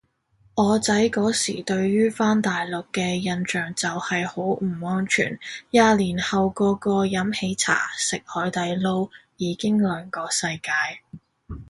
我仔嗰時對於返大陸嘅印象就係好唔安全，廿年後個個飲喜茶食海底撈已經兩個世界